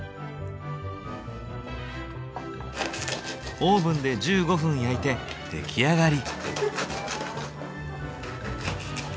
オーブンで１５分焼いて出来上がり。